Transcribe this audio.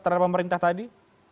terhadap pemerintah tadi